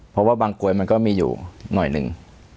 เพราะว่าบางกลวยมันก็มีอยู่หน่อยหนึ่ง